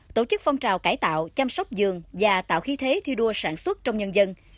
tổ chức phong trào cải tạo chăm sóc dường và tạo khí thế thi đua sản xuất trong nhân dân